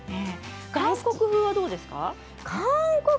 韓国風はどうですか？